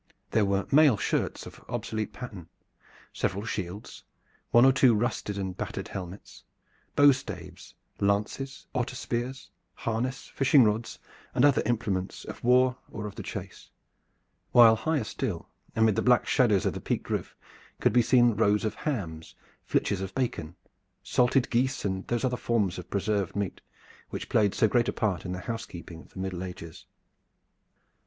There were mail shirts of obsolete pattern, several shields, one or two rusted and battered helmets, bowstaves, lances, otter spears, harness, fishing rods, and other implements of war or of the chase, while higher still amid the black shadows of the peaked roof could be seen rows of hams, flitches of bacon, salted geese, and those other forms of preserved meat which played so great a part in the housekeeping of the Middle Ages.